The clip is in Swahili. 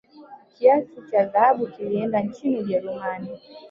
kiatu cha dhahabu kilienda nchini ujerumani